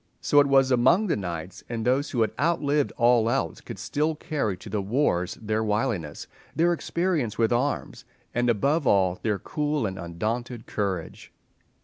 So it was among the knights, and those who had outlived all else could still carry to the wars their wiliness, their experience with arms, and, above all, their cool and undaunted courage.